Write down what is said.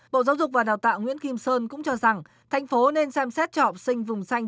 bộ giáo dục và đào tạo nguyễn kim sơn cũng cho rằng thành phố nên xem xét cho học sinh vùng xanh